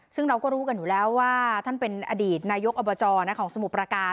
ซึ่งเราก็รู้กันอยู่แล้วว่าท่านเป็นอดีตนายกอบจของสมุทรประการ